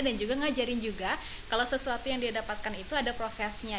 dan juga ngajarin juga kalau sesuatu yang dia dapatkan itu ada prosesnya